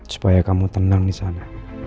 supaya kamu tenang di sana